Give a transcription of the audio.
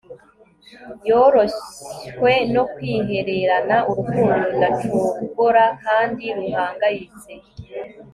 Yoroshywe no kwihererana urukundo rudacogora kandi ruhangayitse